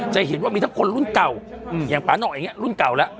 จะเห็นว่ามีทั้งคนรุ่นเก่าอย่างปานอกอย่างนี้รุ่นเก่าแล้ว